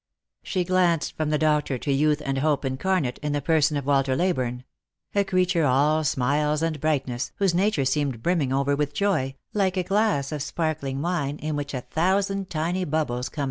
She glanced from the doctor to Youth and Hope incarnata in the person of Walter Leyburne ; a creature all smiles and brightness, whose nature seemed brimming over with joy, like a glass of sparkling wine in which a thousand tiny bubbles come 42 Lost for Love.